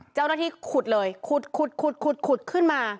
เจ้าหน้าที่ขุดเลยขุดขุดขุดขุดขุดขุดขุดขึ้นมา